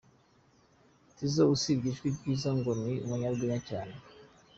Tizzo : Usibye ijwi ryiza, ngo ni n’umunyarwenya cyane.